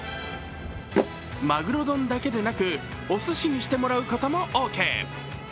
マグロ丼だけでなくおすしにしてもらうこともオーケー。